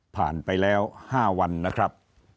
ผ่านไปแล้ว๕วันนะครับ